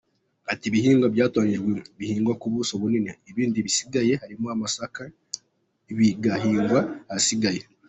Ati “Ibihingwa byatoranyijwe bihingwa ku buso bunini, ibindi bisigaye harimo n’amasaka bigahingwa ahasigaye.